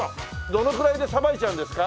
どのくらいでさばいちゃうんですか？